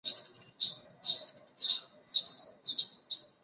曼波雷是巴西巴拉那州的一个市镇。